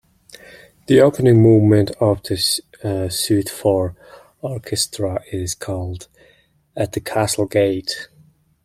The opening movement of the suite for orchestra is called "At the Castle Gate".